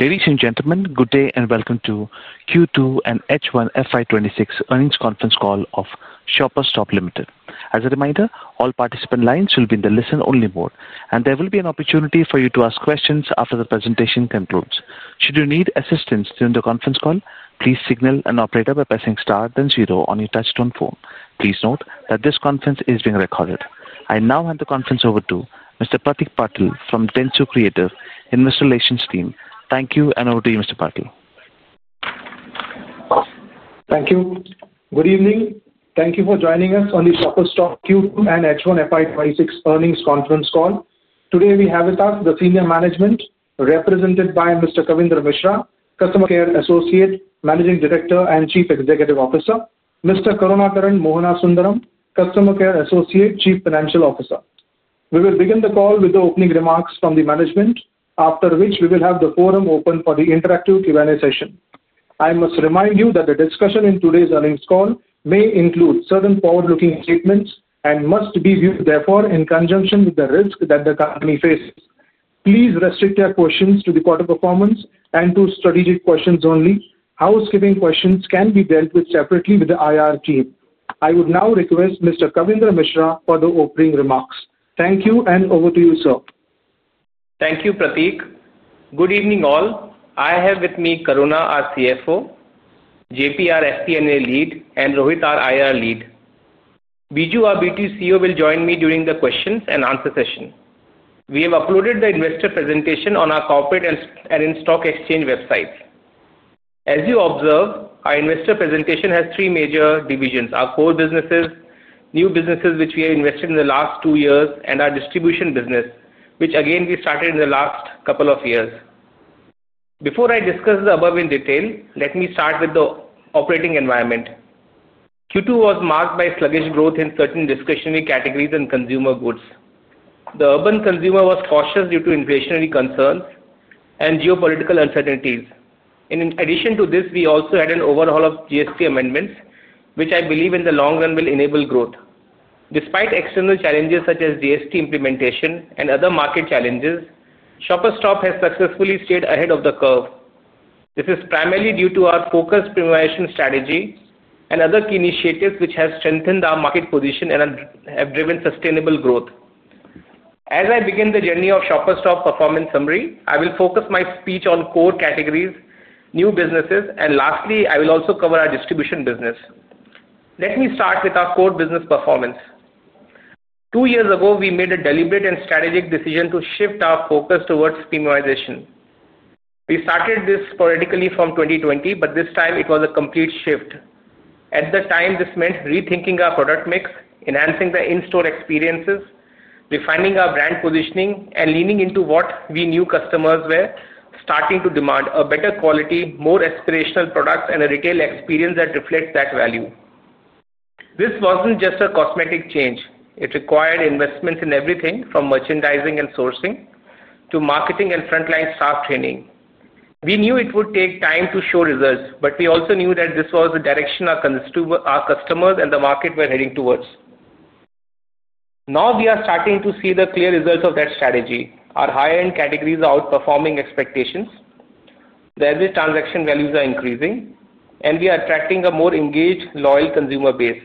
Ladies and gentlemen, good day and welcome to Q2 and H1 FY2026 earnings conference call of Shoppers Stop Limited. As a reminder, all participant lines will be in the listen-only mode, and there will be an opportunity for you to ask questions after the presentation concludes. Should you need assistance during the conference call, please signal an operator by pressing star then zero on your touch-tone phone. Please note that this conference is being recorded. I now hand the conference over to Mr. Pratik Patil from Dentsu Creative Investor Relations Team. Thank you and over to you, Mr. Patil. Thank you. Good evening. Thank you for joining us on the Shoppers Stop Q2 and H1 FY2026 earnings conference call. Today, we have with us the Senior Management represented by Mr. Kavindra Mishra, Customer Care Associate, Managing Director and Chief Executive Officer, and Mr. Karunakaran Mohanasundaram, Customer Care Associate, Chief Financial Officer. We will begin the call with the opening remarks from the management, after which we will have the forum open for the interactive Q&A session. I must remind you that the discussion in today's earnings call may include certain forward-looking statements and must be viewed, therefore, in conjunction with the risk that the company faces. Please restrict your questions to the quarter performance and to strategic questions only. Housekeeping questions can be dealt with separately with the IR team. I would now request Mr. Kavindra Mishra for the opening remarks. Thank you and over to you, sir. Thank you, Pratibh. Good evening all. I have with me Karunakaran, our CFO, JP, our FP&A lead, and Rohit, our IR lead. Biju, our Beauty CEO, will join me during the questions and answer session. We have uploaded the investor presentation on our corporate and in-stock exchange website. As you observe, our investor presentation has three major divisions: our core businesses, new businesses which we have invested in the last two years, and our distribution business, which again we started in the last couple of years. Before I discuss the above in detail, let me start with the operating environment. Q2 was marked by sluggish growth in certain discretionary categories and consumer goods. The urban consumer was cautious due to inflationary concerns and geopolitical uncertainties. In addition to this, we also had an overhaul of GST amendments, which I believe in the long run will enable growth. Despite external challenges such as GST implementation and other market challenges, Shoppers Stop has successfully stayed ahead of the curve. This is primarily due to our focused premiumization strategy and other key initiatives which have strengthened our market position and have driven sustainable growth. As I begin the journey of Shoppers Stop's performance summary, I will focus my speech on core categories, new businesses, and lastly, I will also cover our distribution business. Let me start with our core business performance. Two years ago, we made a deliberate and strategic decision to shift our focus towards premiumization. We started this sporadically from 2020, but this time it was a complete shift. At the time, this meant rethinking our product mix, enhancing the in-store experiences, refining our brand positioning, and leaning into what we knew customers were starting to demand: a better quality, more aspirational products, and a retail experience that reflects that value. This wasn't just a cosmetic change. It required investments in everything from merchandising and sourcing to marketing and frontline staff training. We knew it would take time to show results, but we also knew that this was the direction our customers and the market were heading towards. Now we are starting to see the clear results of that strategy. Our high-end categories are outperforming expectations, the average transaction values are increasing, and we are attracting a more engaged, loyal consumer base.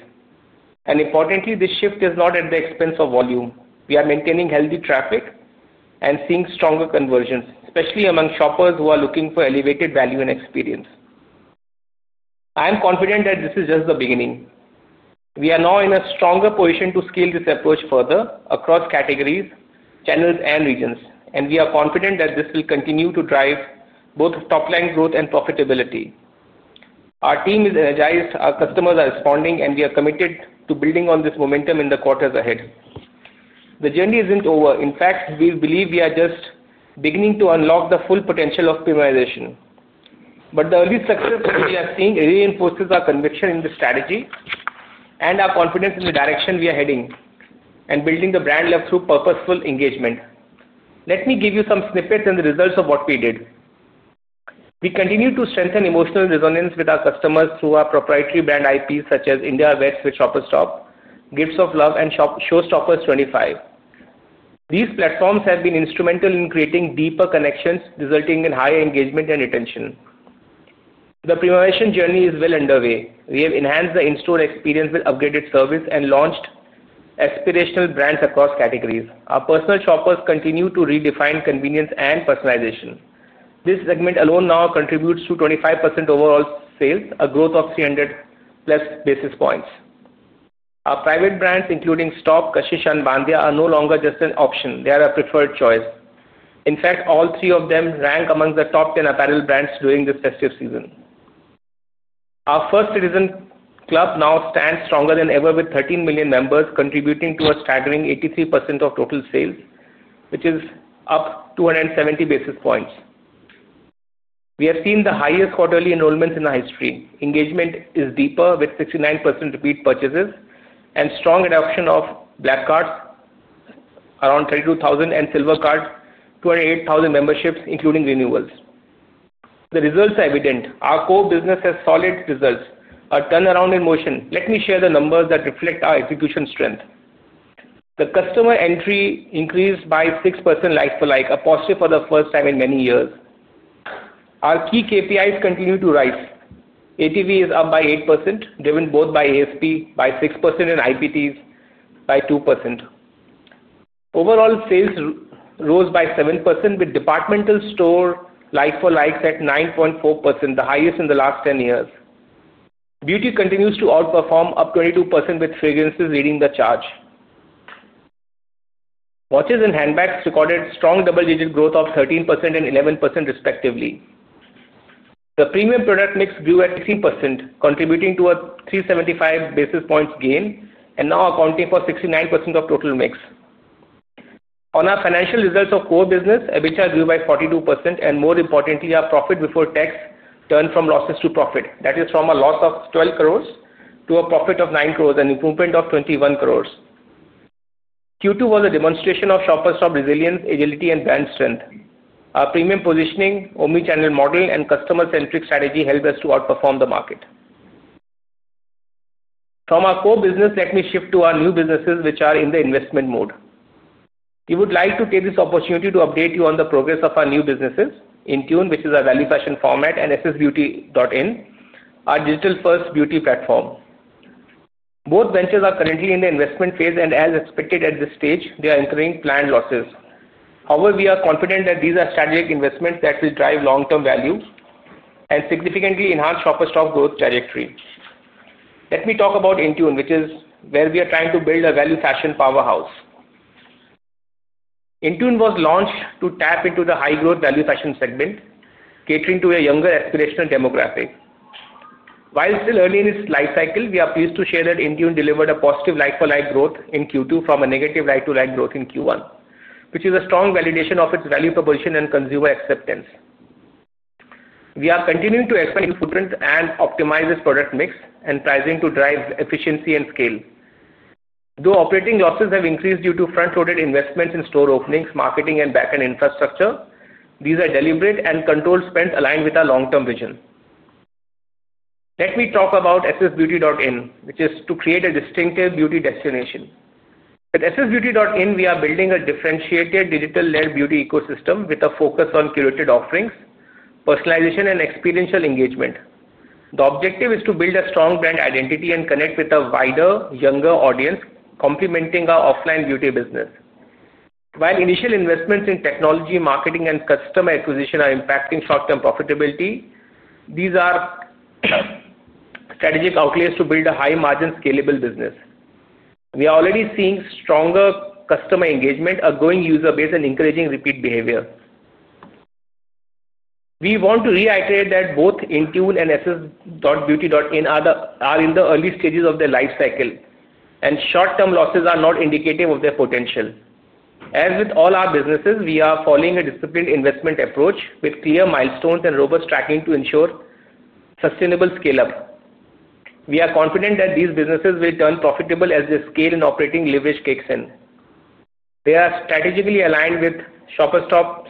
Importantly, this shift is not at the expense of volume. We are maintaining healthy traffic and seeing stronger conversions, especially among shoppers who are looking for elevated value and experience. I am confident that this is just the beginning. We are now in a stronger position to scale this approach further across categories, channels, and regions, and we are confident that this will continue to drive both top-line growth and profitability. Our team is energized, our customers are responding, and we are committed to building on this momentum in the quarters ahead. The journey isn't over. In fact, we believe we are just beginning to unlock the full potential of premiumization. The early successes we are seeing reinforce our conviction in the strategy and our confidence in the direction we are heading and building the brand level through purposeful engagement. Let me give you some snippets and the results of what we did. We continue to strengthen emotional resonance with our customers through our proprietary brand IPs such as India Aware with Shoppers Stop, Gifts of Love, and Showstoppers 25. These platforms have been instrumental in creating deeper connections, resulting in higher engagement and retention. The premiumization journey is well underway. We have enhanced the in-store experience with upgraded service and launched aspirational brands across categories. Our personal shoppers continue to redefine convenience and personalization. This segment alone now contributes to 25% overall sales, a growth of 300 plus basis points. Our private brands, including Stop, Kashish, and Bandeya, are no longer just an option; they are a preferred choice. In fact, all three of them rank among the top 10 apparel brands during this festive season. Our First Citizen Club now stands stronger than ever, with 13 million members contributing to a staggering 83% of total sales, which is up 270 basis points. We have seen the highest quarterly enrollments in our history. Engagement is deeper, with 69% repeat purchases and strong adoption of black cards, around 32,000, and silver cards, 208,000 memberships, including renewals. The results are evident. Our core business has solid results, a turnaround in motion. Let me share the numbers that reflect our execution strength. The customer entry increased by 6% like-for-like, a positive for the first time in many years. Our key KPIs continue to rise. ATV is up by 8%, driven both by ASP, by 6%, and IPTs by 2%. Overall sales rose by 7%, with departmental store like-for-likes at 9.4%, the highest in the last 10 years. Beauty continues to outperform, up 22%, with fragrances leading the charge. Watches and handbags recorded strong double-digit growth of 13% and 11%, respectively. The premium product mix grew at 16%, contributing to a 375 basis points gain and now accounting for 69% of total mix. On our financial results of core business, which are due by 42%, and more importantly, our profit before tax turned from losses to profit. That is from a loss of 12 crore to a profit of 9 crore, an improvement of 21 crore. Q2 was a demonstration of Shoppers Stop Limited's resilience, agility, and brand strength. Our premium positioning, omnichannel model, and customer-centric strategy helped us to outperform the market. From our core business, let me shift to our new businesses, which are in the investment mode. We would like to take this opportunity to update you on the progress of our new businesses, Intune, which is our value fashion format, and SSBeauty.in, our digital-first beauty platform. Both ventures are currently in the investment phase, and as expected at this stage, they are incurring planned losses. However, we are confident that these are strategic investments that will drive long-term value and significantly enhance Shoppers Stop Limited's growth trajectory. Let me talk about Intune, which is where we are trying to build a value fashion powerhouse. Intune was launched to tap into the high-growth value fashion segment, catering to a younger aspirational demographic. While still early in its lifecycle, we are pleased to share that Intune delivered a positive like-for-like growth in Q2 from a negative like-for-like growth in Q1, which is a strong validation of its value proposition and consumer acceptance. We are continuing to expand footprint and optimize this product mix and pricing to drive efficiency and scale. Though operating losses have increased due to front-loaded investments in store openings, marketing, and backend infrastructure, these are deliberate and controlled spends aligned with our long-term vision. Let me talk about SSBeauty.in, which is to create a distinctive beauty destination. At SSBeauty.in, we are building a differentiated digital-led beauty ecosystem with a focus on curated offerings, personalization, and experiential engagement. The objective is to build a strong brand identity and connect with a wider, younger audience, complementing our offline beauty business. While initial investments in technology, marketing, and customer acquisition are impacting short-term profitability, these are strategic outlets to build a high-margin, scalable business. We are already seeing stronger customer engagement, a growing user base, and encouraging repeat behavior. We want to reiterate that both Intune and SSBeauty.in are in the early stages of their lifecycle, and short-term losses are not indicative of their potential. As with all our businesses, we are following a disciplined investment approach with clear milestones and robust tracking to ensure sustainable scale-up. We are confident that these businesses will turn profitable as the scale and operating leverage kicks in. They are strategically aligned with Shoppers Stop's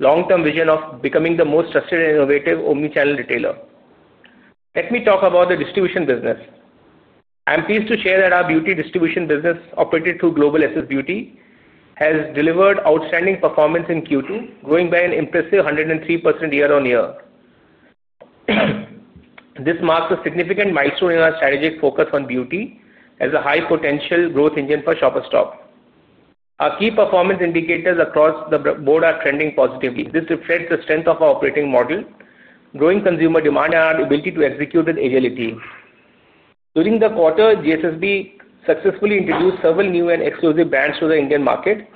long-term vision of becoming the most trusted and innovative omnichannel retailer. Let me talk about the distribution business. I'm pleased to share that our beauty distribution business, operated through Global SSBeauty, has delivered outstanding performance in Q2, growing by an impressive 103% year-on-year. This marks a significant milestone in our strategic focus on beauty as a high-potential growth engine for Shoppers Stopd. Our key performance indicators across the board are trending positively. This reflects the strength of our operating model, growing consumer demand, and our ability to execute with agility. During the quarter, GSB successfully introduced several new and exclusive brands to the Indian market,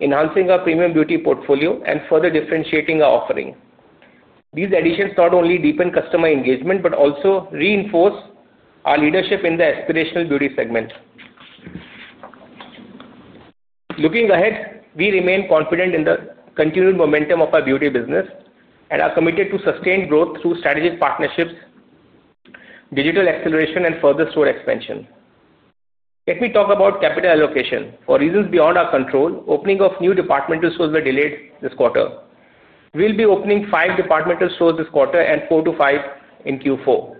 enhancing our premium beauty portfolio and further differentiating our offering. These additions not only deepen customer engagement but also reinforce our leadership in the aspirational beauty segment. Looking ahead, we remain confident in the continued momentum of our beauty business and are committed to sustained growth through strategic partnerships, digital acceleration, and further store expansion. Let me talk about capital allocation. For reasons beyond our control, opening of new departmental stores was delayed this quarter. We'll be opening five departmental stores this quarter and four to five in Q4.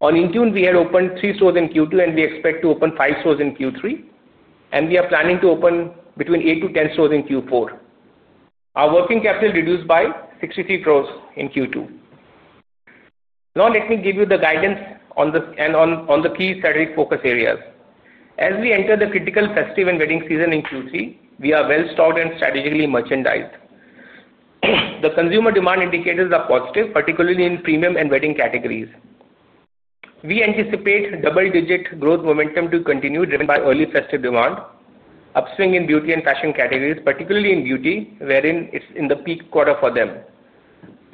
On Intune, we had opened three stores in Q2, and we expect to open five stores in Q3, and we are planning to open between eight to ten stores in Q4. Our working capital is reduced by 63 crore in Q2. Now let me give you the guidance on the key strategic focus areas. As we enter the critical festive and wedding season in Q3, we are well stocked and strategically merchandised. The consumer demand indicators are positive, particularly in premium and wedding categories. We anticipate double-digit growth momentum to continue, driven by early festive demand, upswing in beauty and fashion categories, particularly in beauty, wherein it's in the peak quarter for them,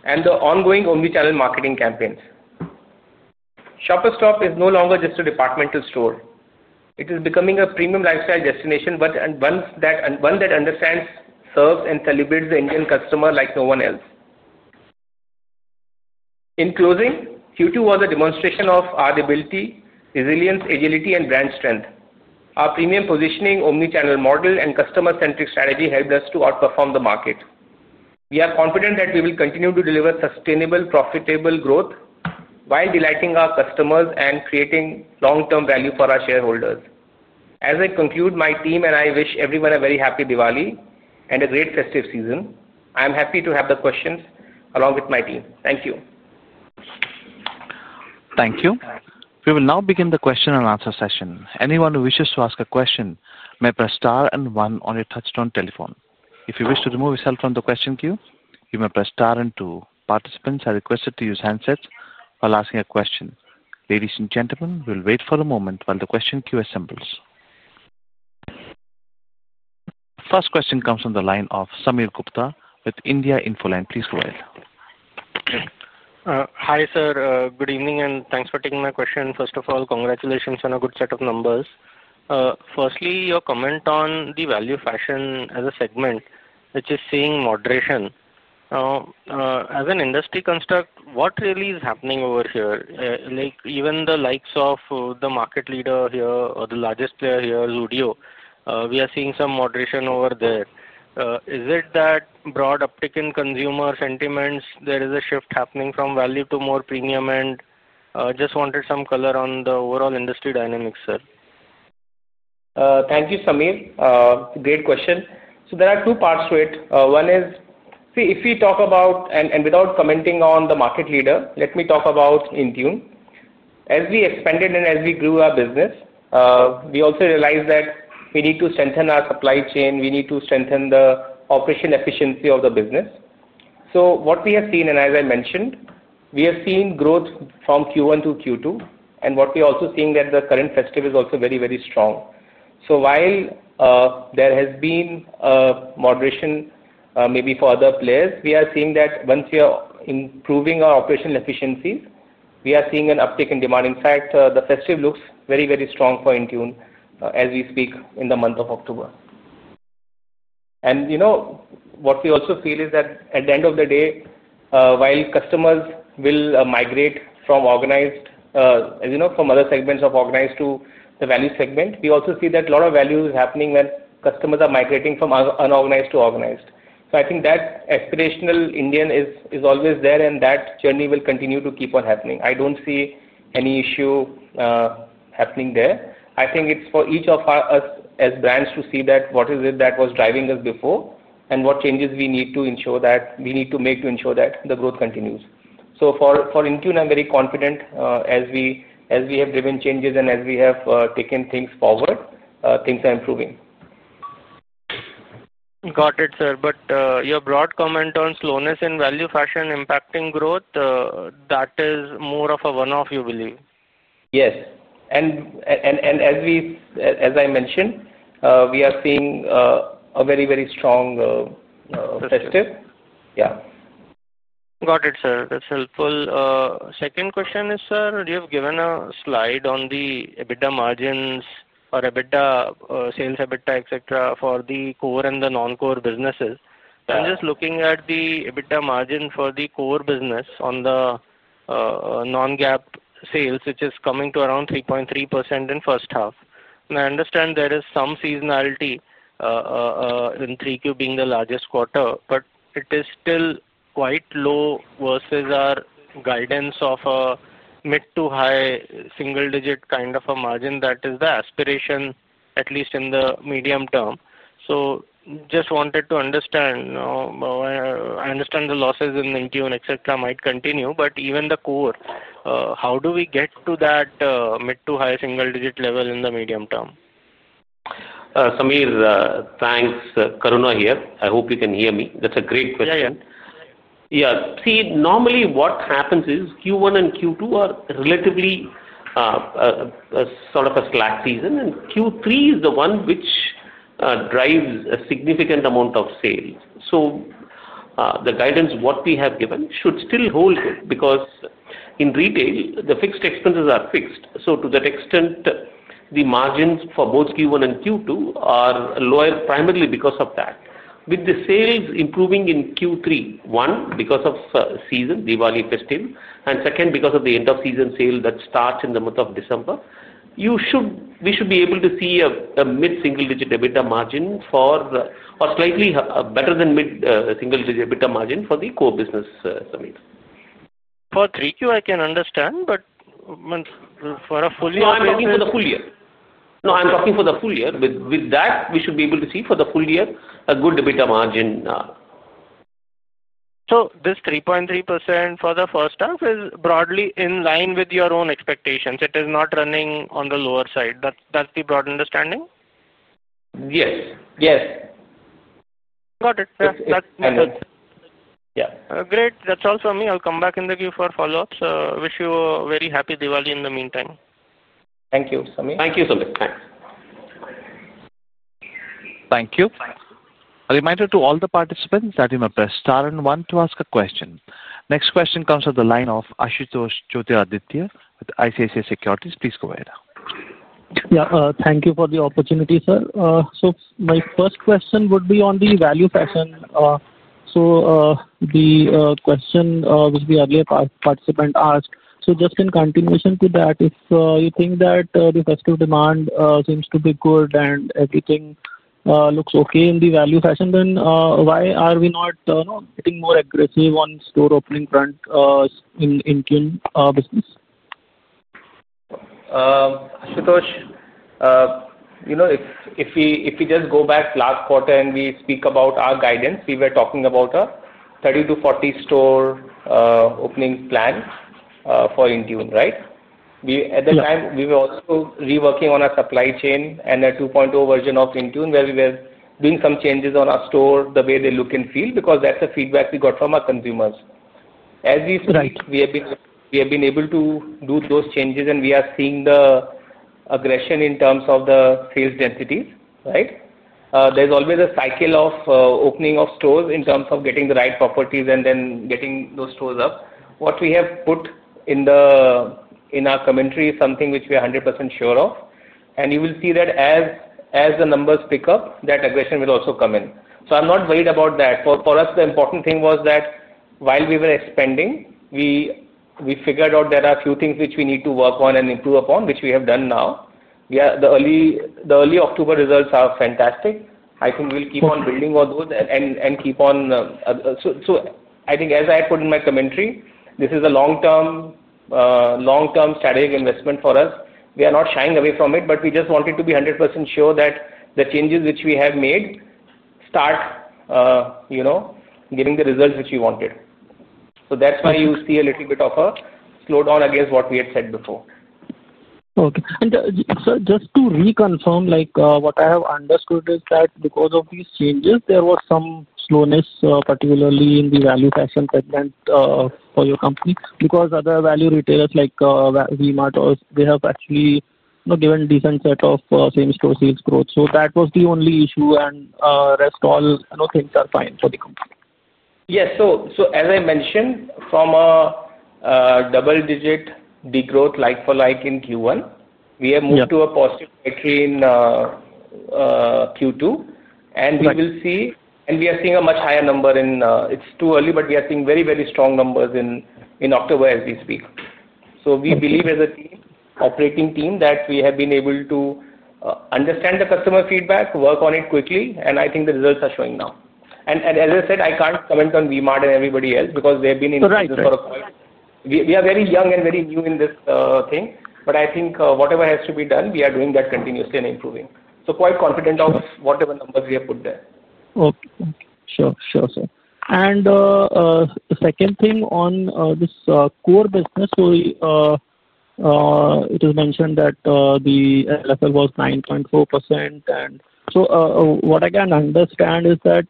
and the ongoing omnichannel marketing campaigns. Shoppers Stop is no longer just a departmental store. It is becoming a premium lifestyle destination, but one that understands, serves, and celebrates the Indian customer like no one else. In closing, Q2 was a demonstration of our ability, resilience, agility, and brand strength. Our premium positioning, omnichannel model, and customer-centric strategy helped us to outperform the market. We are confident that we will continue to deliver sustainable, profitable growth while delighting our customers and creating long-term value for our shareholders. As I conclude, my team and I wish everyone a very happy Diwali and a great festive season. I'm happy to have the questions along with my team. Thank you. Thank you. We will now begin the question and answer session. Anyone who wishes to ask a question may press star and one on your touch-tone telephone. If you wish to remove yourself from the question queue, you may press star and two. Participants are requested to use handsets while asking a question. Ladies and gentlemen, we'll wait for a moment while the question queue assembles. First question comes from the line of Sameer Gupta with India Infoline. Please go ahead. Hi, sir. Good evening and thanks for taking my question. First of all, congratulations on a good set of numbers. Firstly, your comment on the value fashion as a segment, which is seeing moderation. As an industry construct, what really is happening over here? Like even the likes of the market leader here or the largest player here, we are seeing some moderation over there. Is it that broad uptick in consumer sentiments? There is a shift happening from value to more premium and just wanted some color on the overall industry dynamics, sir. Thank you, Sameer. Great question. There are two parts to it. One is, see, if we talk about, and without commenting on the market leader, let me talk about Intune. As we expanded and as we grew our business, we also realized that we need to strengthen our supply chain. We need to strengthen the operation efficiency of the business. What we have seen, and as I mentioned, we have seen growth from Q1 to Q2, and what we are also seeing is that the current festive is also very, very strong. While there has been a moderation maybe for other players, we are seeing that once we are improving our operational efficiencies, we are seeing an uptick in demand. In fact, the festive looks very, very strong for Intune as we speak in the month of October. You know what we also feel is that at the end of the day, while customers will migrate from organized, as you know, from other segments of organized to the value segment, we also see that a lot of value is happening when customers are migrating from unorganized to organized. I think that aspirational Indian is always there, and that journey will continue to keep on happening. I don't see any issue happening there. I think it's for each of us as brands to see what is it that was driving us before and what changes we need to ensure that we need to make to ensure that the growth continues. For Intune, I'm very confident as we have driven changes and as we have taken things forward, things are improving. Got it, sir. Your broad comment on slowness in value fashion impacting growth, that is more of a one-off, you believe? Yes, as I mentioned, we are seeing a very, very strong festive. Got it, sir. That's helpful. Second question is, sir, you've given a slide on the EBITDA margins or EBITDA sales, EBITDA, etc., for the core and the non-core businesses. I'm just looking at the EBITDA margin for the core business on the non-GAAP sales, which is coming to around 3.3% in the first half. I understand there is some seasonality in 3Q being the largest quarter, but it is still quite low versus our guidance of a mid to high single-digit kind of a margin that is the aspiration, at least in the medium term. I just wanted to understand. I understand the losses in Intune, etc., might continue, but even the core, how do we get to that mid to high single-digit level in the medium term? Sameer, thanks. Karuna here. I hope you can hear me. That's a great question. Normally, what happens is Q1 and Q2 are relatively sort of a slack season, and Q3 is the one which drives a significant amount of sales. The guidance we have given should still hold because in retail, the fixed expenses are fixed. To that extent, the margins for both Q1 and Q2 are lower primarily because of that. With the sales improving in Q3, one, because of season, Diwali festive, and second, because of the end-of-season sale that starts in the month of December, we should be able to see a mid-single-digit EBITDA margin for, or slightly better than mid-single-digit EBITDA margin for the core business, Sameer. For 3Q, I can understand, but for a full year? I'm talking for the full year. With that, we should be able to see for the full year a good EBITDA margin. This 3.3% for the first half is broadly in line with your own expectations. It is not running on the lower side. That's the broad understanding? Yes. Yes. Got it. That's good. Yeah. Great. That's all for me. I'll come back in the queue for follow-ups. I wish you a very happy Diwali in the meantime. Thank you, Sameer. Thank you, Sameer. Thanks. Thank you. A reminder to all the participants that you may press star and one to ask a question. Next question comes from the line of Ashutosh Joytiraditya with ICICI Securities. Please go ahead. Thank you for the opportunity, sir. My first question would be on the value fashion. The question which the earlier participant asked, just in continuation to that, if you think that the festive demand seems to be good and everything looks okay in the value fashion, then why are we not getting more aggressive on store opening front in Intune business? Ashutosh, you know if we just go back last quarter and we speak about our guidance, we were talking about a 30-40 store opening plan for Intune, right? At that time, we were also reworking on our supply chain and a 2.0 version of Intune where we were doing some changes on our store, the way they look and feel, because that's the feedback we got from our consumers. As we speak, we have been able to do those changes, and we are seeing the aggression in terms of the sales densities, right? There's always a cycle of opening of stores in terms of getting the right properties and then getting those stores up. What we have put in our commentary is something which we are 100% sure of. You will see that as the numbers pick up, that aggression will also come in. I'm not worried about that. For us, the important thing was that while we were expanding, we figured out there are a few things which we need to work on and improve upon, which we have done now. The early October results are fantastic. I think we'll keep on building on those and keep on. I think as I had put in my commentary, this is a long-term strategic investment for us. We are not shying away from it, but we just wanted to be 100% sure that the changes which we have made start giving the results which we wanted. That's why you see a little bit of a slowdown against what we had said before. Okay. Sir, just to reconfirm, like what I have understood is that because of these changes, there was some slowness, particularly in the value fashion segment for your company because other value retailers like Wemart, they have actually given a decent set of same-store sales growth. That was the only issue, and the rest all things are fine for the company. Yes. As I mentioned, from a double-digit big growth like-for-like in Q1, we have moved to a positive territory in Q2. We are seeing a much higher number in, it's too early, but we are seeing very, very strong numbers in October as we speak. We believe as a team, operating team, that we have been able to understand the customer feedback, work on it quickly, and I think the results are showing now. I can't comment on Wemart and everybody else because they have been in business for a while. We are very young and very new in this thing, but I think whatever has to be done, we are doing that continuously and improving. Quite confident of whatever numbers we have put there. Okay. Sure, sure, sure. The second thing on this core business, it is mentioned that the LFL was 9.4%. What I can understand is that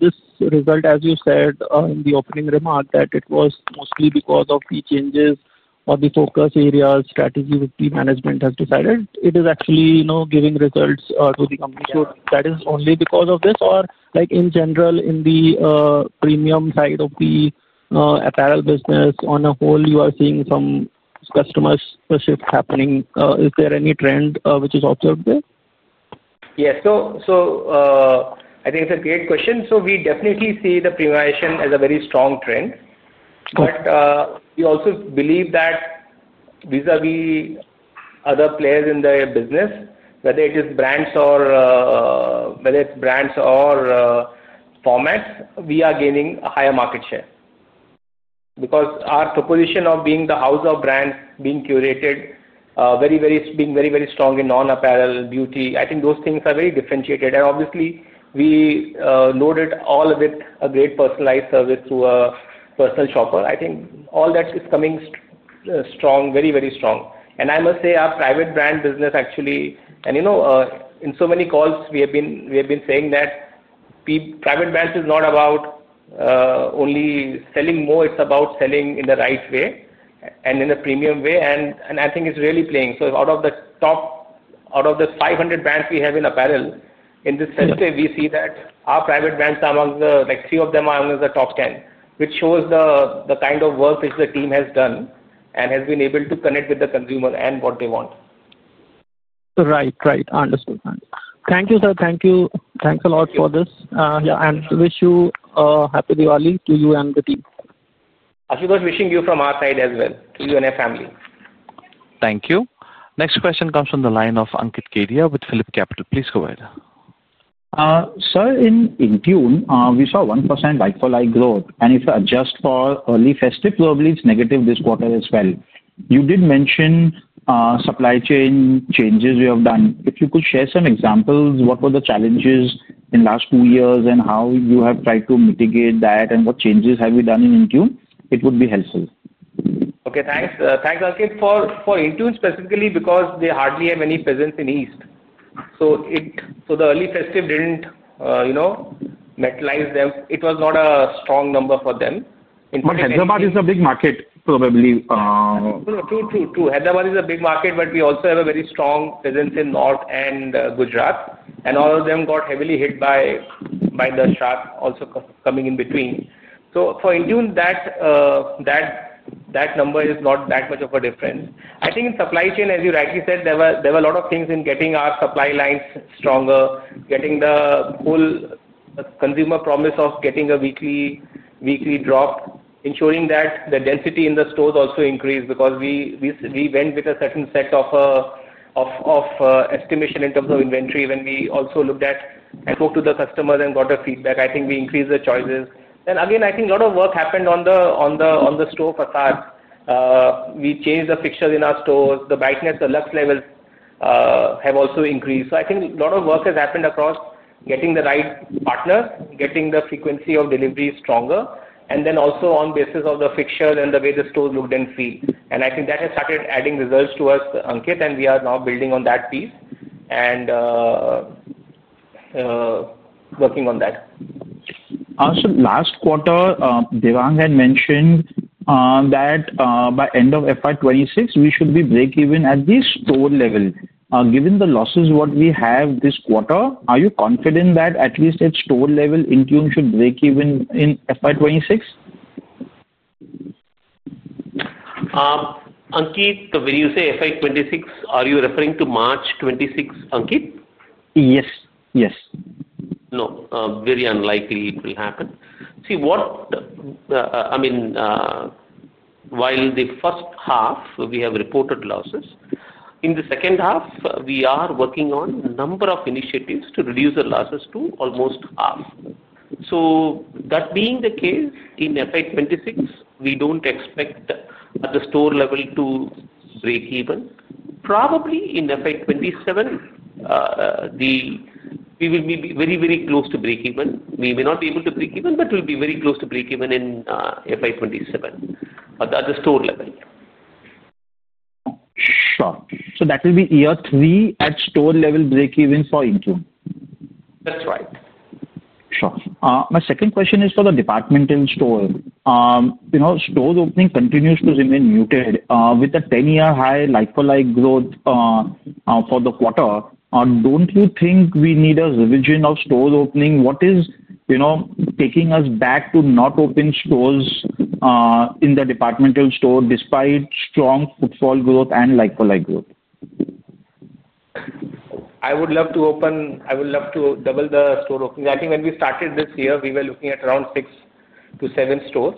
this result, as you said in the opening remark, was mostly because of the changes or the focus areas strategy which the management has decided. It is actually giving results to the company. Is that only because of this, or in general in the premium side of the apparel business as a whole, you are seeing some customer shifts happening? Is there any trend which is observed there? Yeah. I think it's a great question. We definitely see the premiumization as a very strong trend. We also believe that vis-à-vis other players in the business, whether it is brands or formats, we are gaining a higher market share because our proposition of being the house of brands, being curated, being very, very strong in non-apparel beauty, I think those things are very differentiated. Obviously, we loaded all of it with great personalized service through a personal shopper. I think all that is coming strong, very, very strong. I must say our private brand business actually, and you know in so many calls, we have been saying that private brands are not about only selling more. It's about selling in the right way and in a premium way. I think it's really playing. Out of the 500 brands we have in apparel in this festive, we see that our private brands are among the, like three of them are among the top 10, which shows the kind of work which the team has done and has been able to connect with the consumer and what they want. Right, right. Understood. Thank you, sir. Thank you. Thanks a lot for this. Wish you a happy Diwali to you and the team. Ashutosh, wishing you from our side as well to you and your family. Thank you. Next question comes from the line of Ankit Kedia with Phillip Capital. Please go ahead. Sir, in Intune, we saw 1% like-for-like growth. If you adjust for early festive, probably it's negative this quarter as well. You did mention supply chain changes you have done. If you could share some examples, what were the challenges in the last two years and how you have tried to mitigate that and what changes have you done in Intune, it would be helpful. Okay. Thanks. Thanks, Ankit, for Intune specifically because they hardly have any presence in the East. The early festive didn't materialize for them. It was not a strong number for them. Hyderabad is a big market, probably. No, true, true. Hyderabad is a big market, but we also have a very strong presence in North and Gujarat. All of them got heavily hit by the Sharq also coming in between. For Intune, that number is not that much of a difference. I think in supply chain, as you rightly said, there were a lot of things in getting our supply lines stronger, getting the whole consumer promise of getting a weekly drop, ensuring that the density in the stores also increased because we went with a certain set of estimation in terms of inventory. When we also looked at, I spoke to the customers and got their feedback. I think we increased the choices. I think a lot of work happened on the store facade. We changed the fixtures in our stores. The brightness, the lux levels have also increased. I think a lot of work has happened across getting the right partner, getting the frequency of delivery stronger, and also on the basis of the fixture and the way the stores looked and feel. I think that has started adding results to us, Ankit, and we are now building on that piece and working on that. Awesome. Last quarter, Devang had mentioned that by end of FY2026, we should be break-even at the store level. Given the losses what we have this quarter, are you confident that at least at store level, Intune should break even in FY2026? Ankit, when you say FY26, are you referring to March 2026, Ankit? Yes, yes. No, very unlikely it will happen. While the first half, we have reported losses, in the second half, we are working on a number of initiatives to reduce the losses to almost half. That being the case, in FY2026, we don't expect at the store level to break even. Probably in FY2027, we will be very, very close to break even. We may not be able to break even, but we'll be very close to break even in FY2027 at the store level. That will be year three at store level break even for Intune. That's right. Sure. My second question is for the departmental store. Stores opening continues to remain muted with a 10-year high like-for-like growth for the quarter. Don't you think we need a revision of store opening? What is taking us back to not opening stores in the departmental store despite strong footfall growth and like-for-like growth? I would love to open, I would love to double the store opening. I think when we started this year, we were looking at around six to seven stores.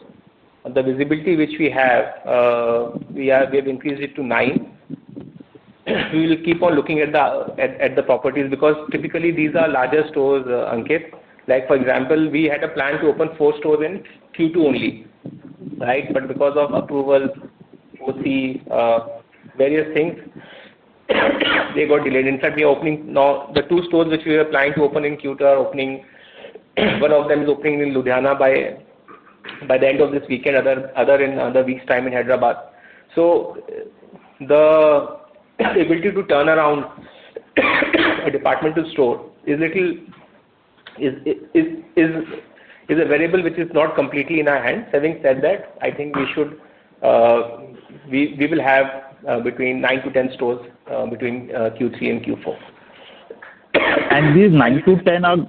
The visibility which we have, we have increased it to nine. We will keep on looking at the properties because typically, these are larger stores, Ankit. For example, we had a plan to open four stores in Q2 only, right? Because of approvals, policies, various things, they got delayed. In fact, we are opening now the two stores which we were planning to open in Q2 are opening. One of them is opening in Ludhiana by the end of this weekend, other in another week's time in Hyderabad. The ability to turn around a departmental store is a variable which is not completely in our hands. Having said that, I think we should, we will have between 9 to 10 stores between Q3 and Q4. Are these 9 to 10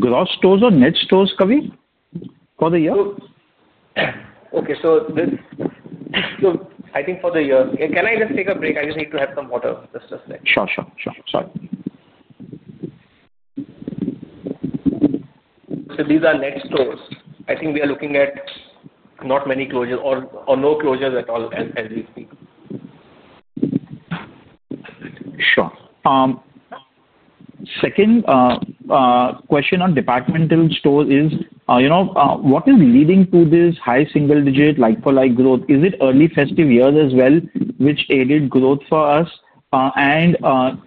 gross stores or net stores coming for the year? Okay. For the year, can I just take a break? I just need to have some water, just a sec. Sure, sure, sure. These are net stores. I think we are looking at not many closures or no closures at all as we speak. Sure. Second question on departmental stores is, you know, what is leading to this high single-digit like-for-like growth? Is it early festive years as well, which aided growth for us?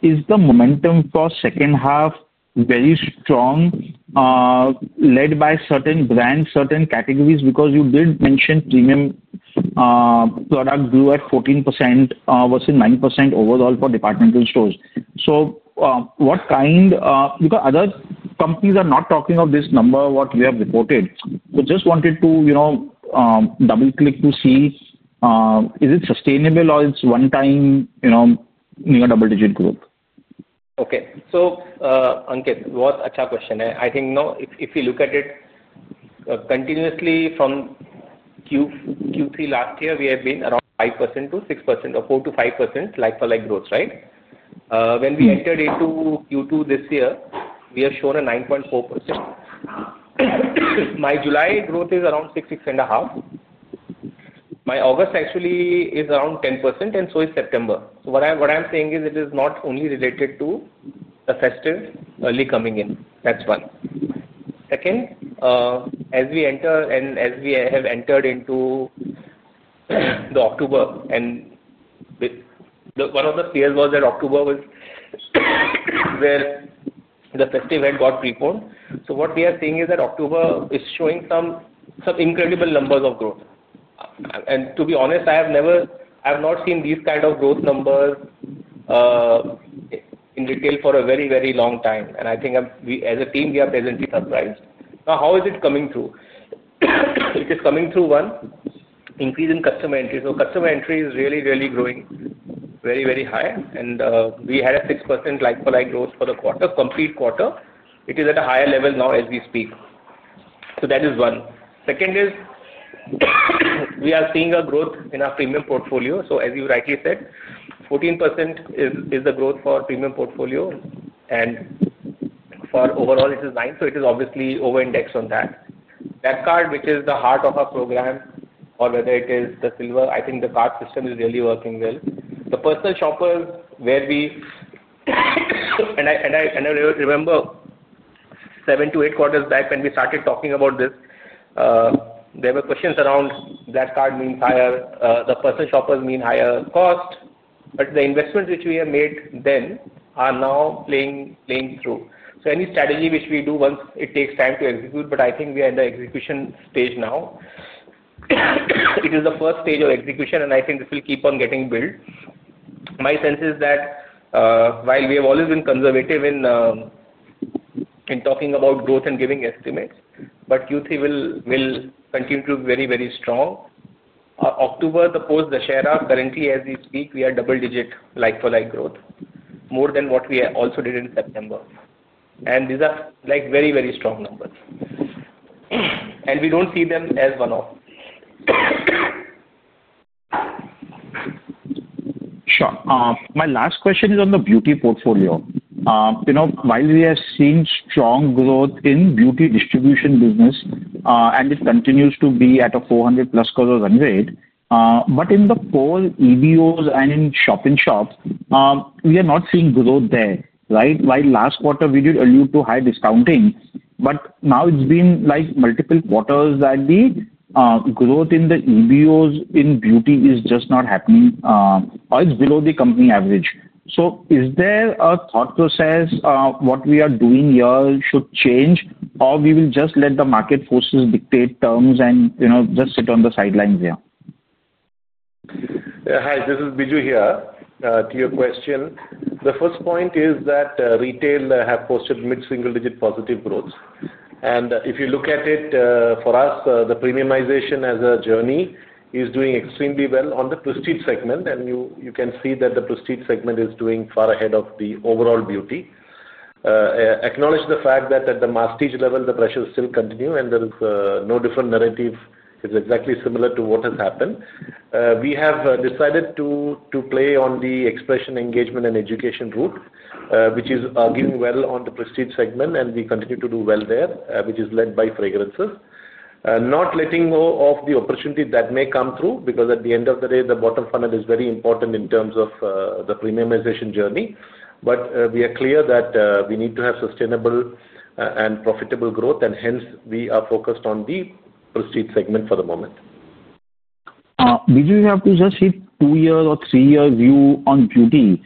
Is the momentum for the second half very strong, led by certain brands, certain categories? You did mention premium product grew at 14% versus 9% overall for departmental stores. What kind, because other companies are not talking of this number, what we have reported. Just wanted to, you know, double-click to see, is it sustainable or it's one-time near double-digit growth? Okay. Ankit, what a question. Now, if you look at it continuously from Q3 last year, we have been around 5% to 6% or 4% to 5% like-for-like growth, right? When we entered into Q2 this year, we have shown a 9.4%. My July growth is around 6%, 6.5%. My August actually is around 10%, and so is September. What I'm saying is it is not only related to the festive early coming in. That's one. Second, as we enter and as we have entered into October, one of the fears was that October was where the festive had got preformed. What we are seeing is that October is showing some incredible numbers of growth. To be honest, I have not seen these kinds of growth numbers in detail for a very, very long time. I think as a team, we are pleasantly surprised. Now, how is it coming through? It is coming through, one, increase in customer entry. Customer entry is really, really growing very, very high. We had a 6% like-for-like growth for the complete quarter. It is at a higher level now as we speak. That is one. Second is we are seeing a growth in our premium portfolio. As you rightly said, 14% is the growth for our premium portfolio, and for overall, it is 9%. It is obviously over-indexed on that. That card, which is the heart of our program, or whether it is the silver, I think the card system is really working well. The personal shoppers, and I remember seven to eight quarters back when we started talking about this, there were questions around that card means higher, the personal shoppers mean higher cost. The investments which we have made then are now playing through. Any strategy which we do, once it takes time to execute, but I think we are in the execution stage now. It is the first stage of execution, and I think this will keep on getting built. My sense is that while we have always been conservative in talking about growth and giving estimates, Q3 will continue to be very, very strong. October, the post-Dashera, currently as we speak, we are double-digit like-for-like growth, more than what we also did in September. These are very, very strong numbers. We don't see them as one-off. Sure. My last question is on the beauty portfolio. While we have seen strong growth in the beauty distribution business, and it continues to be at a 400-plus curve or 108, in the core EBOs and in shop-in-shop, we are not seeing growth there, right? While last quarter we did allude to high discounting, now it's been like multiple quarters that the growth in the EBOs in beauty is just not happening, or it's below the company average. Is there a thought process what we are doing here should change, or we will just let the market forces dictate terms and just sit on the sidelines here? Hi. This is Biju here. To your question, the first point is that retail has posted mid-single-digit positive growth. If you look at it, for us, the premiumization as a journey is doing extremely well on the prestige segment. You can see that the prestige segment is doing far ahead of the overall beauty. Acknowledge the fact that at the mastich level, the pressures still continue, and there is no different narrative. It's exactly similar to what has happened. We have decided to play on the expression, engagement, and education route, which is giving well on the prestige segment, and we continue to do well there, which is led by fragrances. Not letting go of the opportunity that may come through because at the end of the day, the bottom funnel is very important in terms of the premiumization journey. We are clear that we need to have sustainable and profitable growth, and hence, we are focused on the prestige segment for the moment. Biju, you have to just see two-year or three-year view on beauty.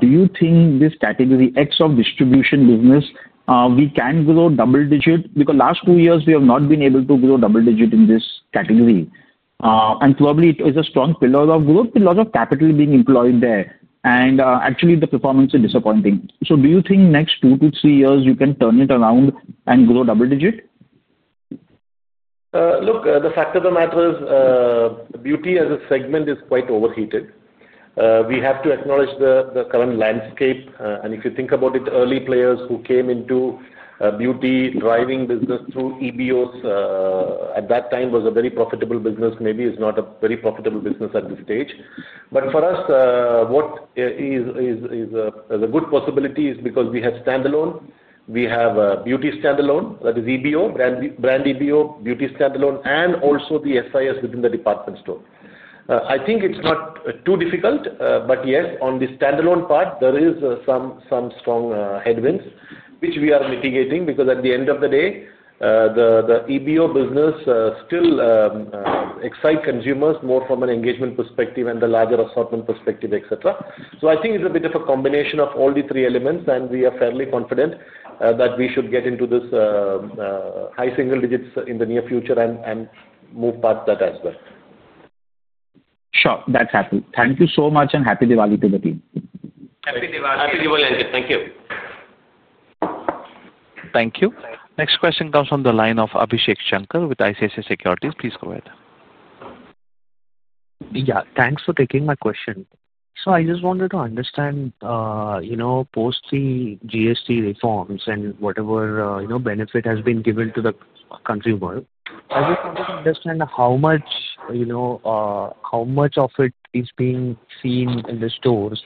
Do you think this category, X of distribution business, we can grow double-digit? Because last two years, we have not been able to grow double-digit in this category. It is a strong pillar of growth, a lot of capital being employed there. Actually, the performance is disappointing. Do you think next two to three years, you can turn it around and grow double-digit? Look, the fact of the matter is beauty as a segment is quite overheated. We have to acknowledge the current landscape. If you think about it, early players who came into beauty driving business through EBOs at that time was a very profitable business. Maybe it's not a very profitable business at this stage. For us, what is a good possibility is because we have standalone, we have beauty standalone, that is EBO, brand EBO, beauty standalone, and also the SIS within the department store. I think it's not too difficult. Yes, on the standalone part, there is some strong headwinds, which we are mitigating because at the end of the day, the EBO business still excites consumers more from an engagement perspective and the larger assortment perspective, etc. I think it's a bit of a combination of all the three elements, and we are fairly confident that we should get into this high single digits in the near future and move past that as well. Sure, that's happened. Thank you so much, and happy Diwali to the team. Happy Diwali. Happy Diwali, Ankit. Thank you. Thank you. Next question comes from the line of Abhishek Shankar with ICICI Securities. Please go ahead. Thanks for taking my question. I just wanted to understand, post the GST reforms and whatever benefit has been given to the consumer, I just wanted to understand how much of it is being seen in the stores.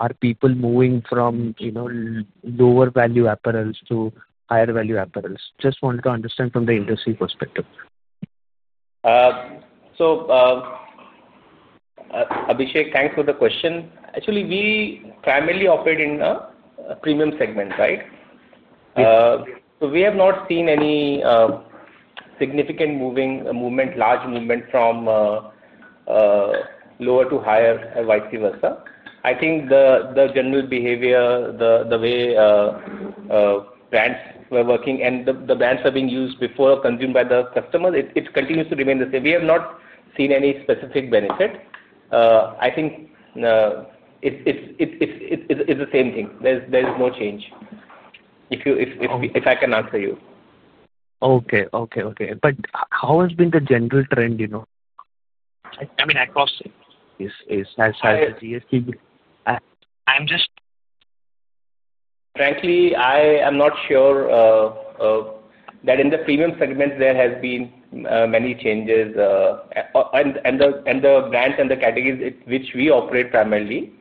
Are people moving from lower value apparels to higher value apparels? Just wanted to understand from the industry perspective. Abhishek, thanks for the question. Actually, we primarily operate in the premium segment, right? We have not seen any significant movement, large movement from lower to higher and vice versa. I think the general behavior, the way brands were working and the brands are being used before consumed by the customers, it continues to remain the same. We have not seen any specific benefit. I think it's the same thing. There's no change, if I can answer you. Okay. How has been the general trend, you know? I mean, across? Has the GST? Frankly, I am not sure that in the premium segment, there have been many changes. The brands and the categories which we operate primarily,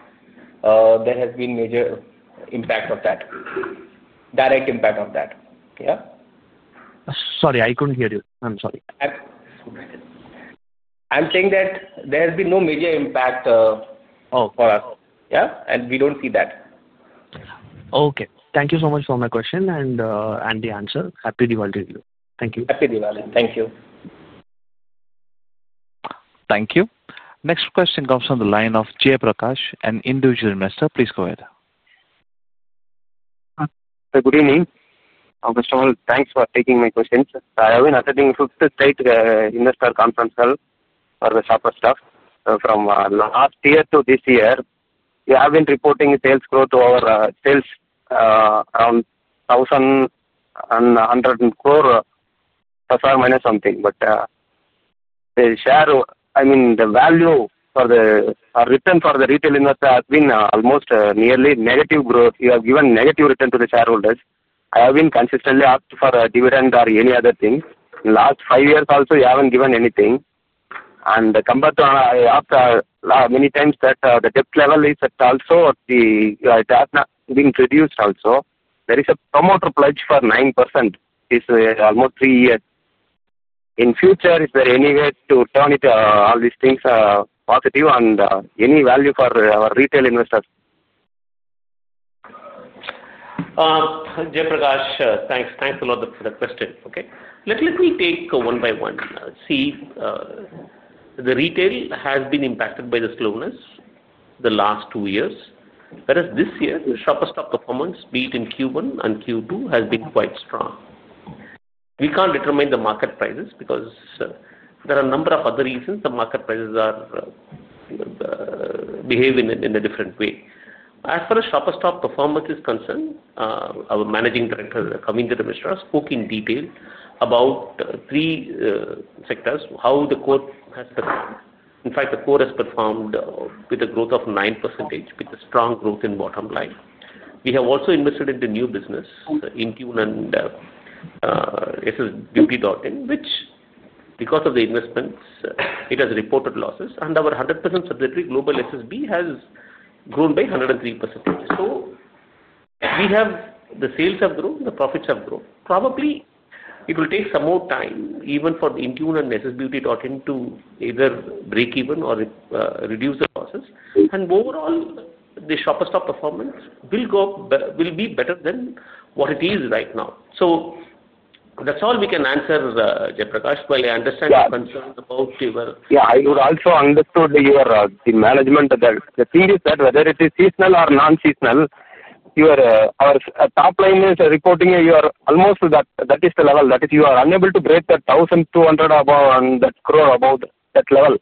there has been major impact of that, direct impact of that. Yeah? Sorry, I couldn't hear you. I'm sorry. I'm saying that there has been no major impact. Oh, okay. For us, yeah, we don't see that. Okay. Thank you so much for my question and the answer. Happy Diwali to you. Thank you. Happy Diwali. Thank you. Thank you. Next question comes from the line of Jay Prakash and Indu Jilmesthar. Please go ahead. Good evening. First of all, thanks for taking my questions. I have been attending fifth state investor conference call for Shoppers Stop. From last year to this year, we have been reporting sales growth to our sales around 1,100 crore, plus or minus something. The share, I mean, the value for the return for the retail investor has been almost nearly negative growth. You have given negative return to the shareholders. I have been consistently asked for a dividend or any other thing. In the last five years, also, you haven't given anything. I asked many times that the debt level is also, it has not been reduced also. There is a promoter pledge for 9%. It's almost three years. In the future, is there any way to turn all these things positive and any value for our retail investors? Jay Prakash, thanks. Thanks a lot for the question. Okay. Let me take one by one. Let's see. The retail has been impacted by the slowness the last two years, whereas this year, the Shoppers Stop performance, be it in Q1 and Q2, has been quite strong. We can't determine the market prices because there are a number of other reasons the market prices behave in a different way. As far as Shoppers Stop performance is concerned, our Managing Director, Kavindra Mishra, spoke in detail about three sectors, how the core has performed. In fact, the core has performed with a growth of 9%, with a strong growth in bottom line. We have also invested in the new business, Intune and SSBeauty.in, which, because of the investments, it has reported losses. Our 100% subsidiary Global SSB has grown by 103%. We have the sales have grown, the profits have grown. Probably it will take some more time, even for the Intune and SSBeauty.in to either break even or reduce the losses. Overall, the Shoppers Stop performance will go up, will be better than what it is right now. That's all we can answer, Jay Prakash. I understand your concern about your. Yeah, I would also understand your management. The thing is that whether it is seasonal or non-seasonal, our top line is reporting you are almost to that. That is the level. That is you are unable to break that 1,200 crore or above that level.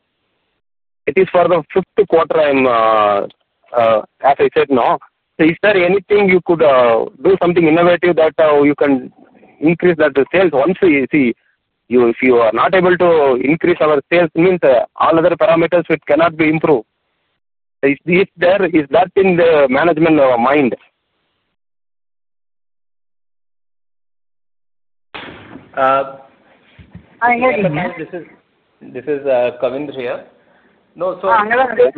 It is for the fifth quarter, as I said now. Is there anything you could do, something innovative that you can increase that sales? You see, if you are not able to increase our sales, it means all other parameters which cannot be improved. Is that in the management mind? I hear you. This is Kavindra here. I'm going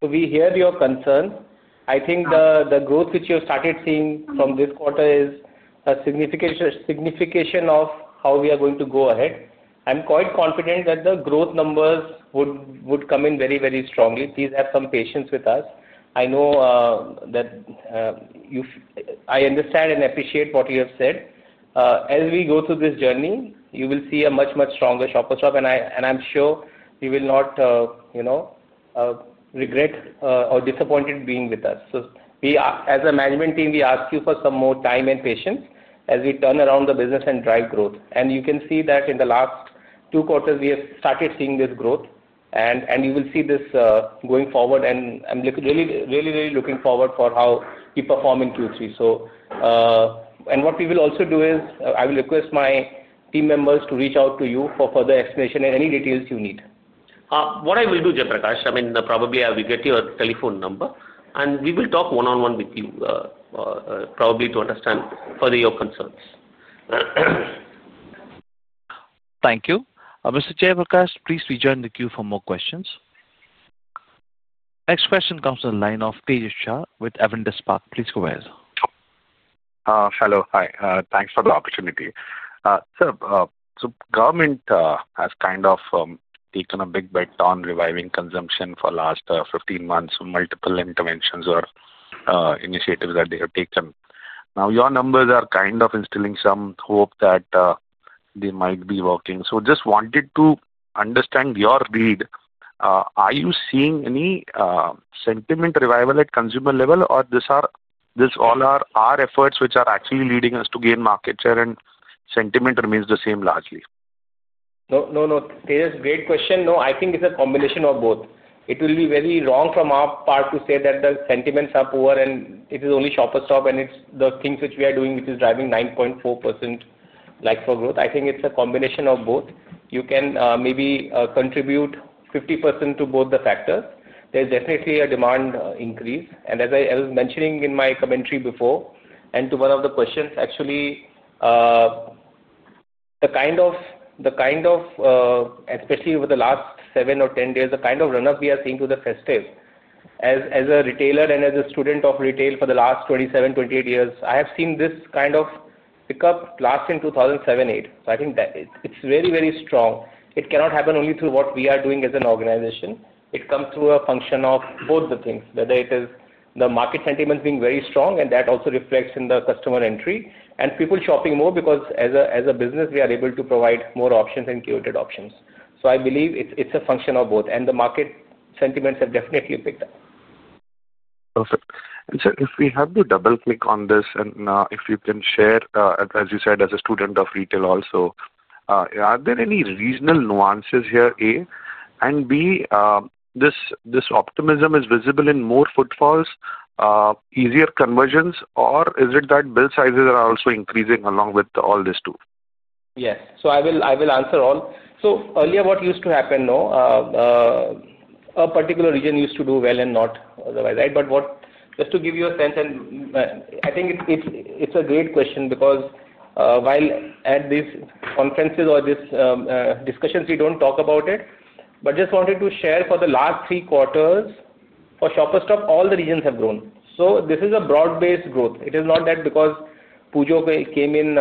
to. We hear your concern. I think the growth which you have started seeing from this quarter is a significant signification of how we are going to go ahead. I'm quite confident that the growth numbers would come in very, very strongly. Please have some patience with us. I know that you, I understand and appreciate what you have said. As we go through this journey, you will see a much, much stronger Shoppers Stop. I'm sure you will not, you know, regret or be disappointed being with us. As a management team, we ask you for some more time and patience as we turn around the business and drive growth. You can see that in the last two quarters, we have started seeing this growth, and you will see this going forward. I'm really, really, really looking forward to how we perform in Q3. I will request my team members to reach out to you for further explanation and any details you need. What I will do, Jay Prakash, I mean, I will get your telephone number, and we will talk one-on-one with you, probably to understand further your concerns. Thank you. Mr. Jay Prakash, please rejoin the queue for more questions. Next question comes from the line of Tejesh Shah with Avendus Spark. Please go ahead. Hello. Hi. Thanks for the opportunity. Sir, the government has kind of taken a big bite on reviving consumption for the last 15 months. Multiple interventions or initiatives that they have taken. Now, your numbers are kind of instilling some hope that they might be working. I just wanted to understand your read. Are you seeing any sentiment revival at the consumer level, or are these all our efforts which are actually leading us to gain market share and sentiment remains the same largely? No, no, no. Tejesh, great question. No, I think it's a combination of both. It will be very wrong from our part to say that the sentiments are poor and it is only Shoppers Stop and it's the things which we are doing which is driving 9.4% like-for-like growth. I think it's a combination of both. You can maybe contribute 50% to both the factors. There's definitely a demand increase. As I was mentioning in my commentary before and to one of the questions, actually, especially over the last 7 or 10 days, the kind of run-up we are seeing to the festive. As a retailer and as a student of retail for the last 27, 28 years, I have seen this kind of pickup last in 2007, 2008. I think that it's very, very strong. It cannot happen only through what we are doing as an organization. It comes through a function of both the things, whether it is the market sentiment being very strong, and that also reflects in the customer entry and people shopping more because as a business, we are able to provide more options and curated options. I believe it's a function of both. The market sentiments have definitely picked up. Perfect. Sir, if we have to double-click on this and if you can share, as you said, as a student of retail also, are there any regional nuances here, A, and B, this optimism is visible in more footfalls, easier conversions, or is it that bill sizes are also increasing along with all this too? Yes. I will answer all. Earlier, what used to happen, a particular region used to do well and not otherwise, right? Just to give you a sense, and I think it's a great question because while at these conferences or these discussions, we don't talk about it, I just wanted to share for the last three quarters, for Shoppers Stop, all the regions have grown. This is a broad-based growth. It is not that because Pujo came in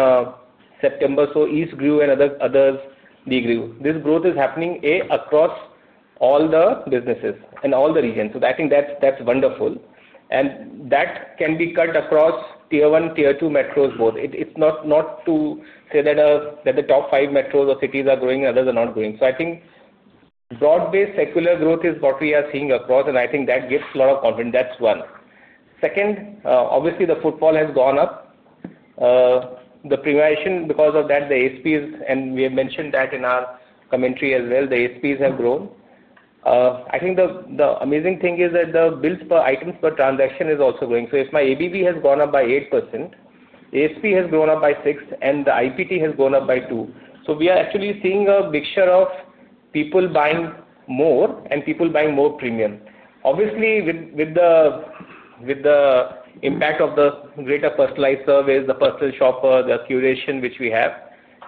September, East grew and others degrew. This growth is happening, A, across all the businesses and all the regions. I think that's wonderful. That can be cut across tier one, tier two metros both. It's not to say that the top five metros or cities are growing and others are not growing. I think broad-based circular growth is what we are seeing across, and I think that gives a lot of confidence. That's one. Second, obviously, the footfall has gone up. The premiumization because of that, the ASPs, and we have mentioned that in our commentary as well, the ASPs have grown. I think the amazing thing is that the bills per items per transaction is also growing. If my ABV has gone up by 8%, ASP has grown up by 6%, and the IPT has grown up by 2%. We are actually seeing a mixture of people buying more and people buying more premium. Obviously, with the impact of the greater personalized service, the personal shopper, the curation which we have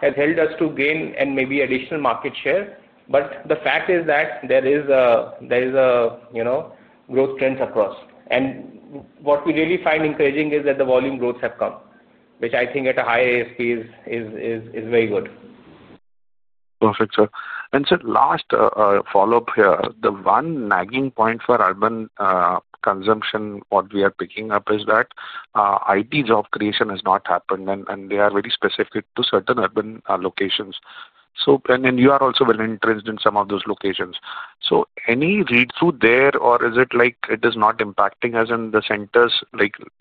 has helped us to gain and maybe additional market share. The fact is that there is a growth trend across. What we really find encouraging is that the volume growths have come, which I think at a high ASP is very good. Perfect, sir. Last follow-up here. The one nagging point for urban consumption, what we are picking up is that IT job creation has not happened, and they are very specific to certain urban locations. You are also well-interested in some of those locations. Any read-through there, or is it like it is not impacting as in the centers?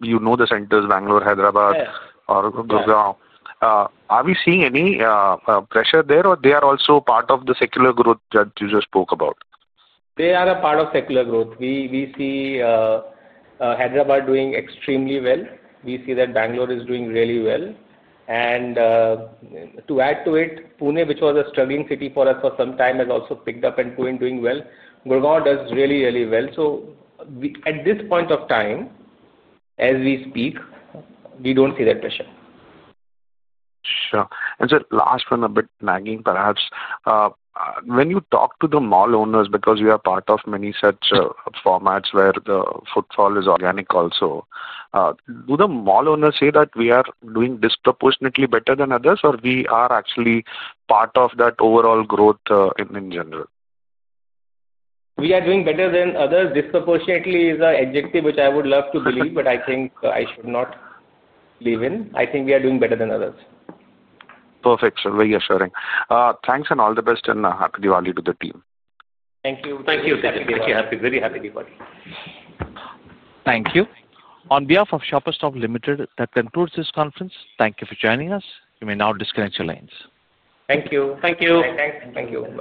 You know the centers, Bangalore, Hyderabad, or Gurgaon. Are we seeing any pressure there, or they are also part of the circular growth that you just spoke about? They are a part of circular growth. We see Hyderabad doing extremely well. We see that Bangalore is doing really well. To add to it, Pune, which was a struggling city for us for some time, has also picked up and Pune is doing well. Gurgaon does really, really well. At this point of time, as we speak, we don't see that pressure. Sure. Sir, last one, a bit nagging, perhaps. When you talk to the mall owners, because we are part of many such formats where the footfall is organic also, do the mall owners say that we are doing disproportionately better than others, or we are actually part of that overall growth in general? We are doing better than others. Disproportionately is an adjective which I would love to believe, but I think I should not believe in. I think we are doing better than others. Perfect, sir. Very assuring. Thanks and all the best, and happy Diwali to the team. Thank you. Thank you, Sathik. Happy, very happy Diwali. Thank you. On behalf of Shoppers Stop Limited, that concludes this conference. Thank you for joining us. You may now disconnect your lines. Thank you. Thank you. Thank you.